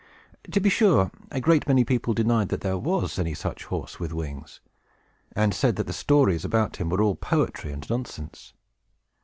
To be sure, a great many people denied that there was any such horse with wings, and said that the stories about him were all poetry and nonsense.